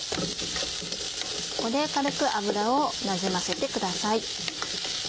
ここで軽く油をなじませてください。